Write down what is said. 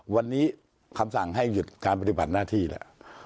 วันนี้คำสั่งให้หยุดการปฏิบัติหน้าที่แหละ